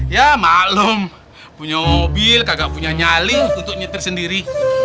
ya maklum punya mobil kagak punya nyali untuk nyetir sendiri